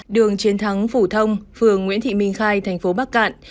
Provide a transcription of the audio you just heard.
đường chiến thắng phủ thông phường nguyễn thị minh khai tp bắc cạn